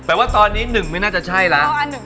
แต่ว่าตอนนี้๑ไม่น่าจะใช่แล้ว